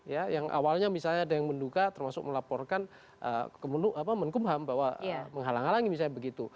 ya yang awalnya misalnya ada yang menduga termasuk melaporkan ke menkumham bahwa menghalang halangi misalnya begitu